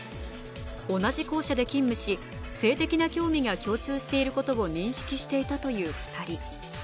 同じ校舎で勤務し、性的な興味が共通していることを認識していたという２人。